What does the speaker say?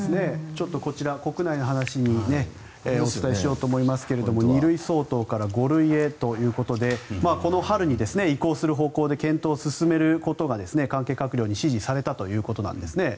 こちら、国内の話をお伝えしようと思いますが２類相当から５類へということでこの春に移行する方向で検討を進めることが関係閣僚に指示されたということなんですね。